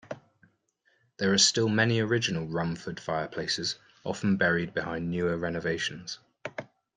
There are still many original Rumford fireplaces, often buried behind newer renovations.